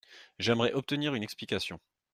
J’aimerais obtenir une explication.